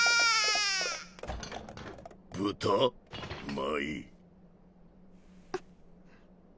まあいい。